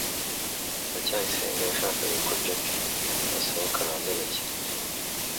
ndacyayisenga yashakaga ko jaki asohoka hanze agakina